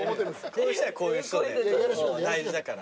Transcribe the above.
こういう人はこういう人で大事だから。